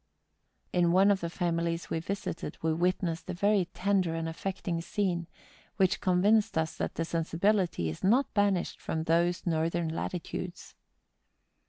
... In one of the families we visited we witnessed a very tender and affecting scene, which convinced us that sensibility is not banished from those northern latitudes.